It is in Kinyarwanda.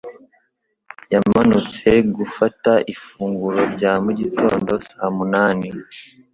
Yamanutse gufata ifunguro rya mu gitondo saa munani.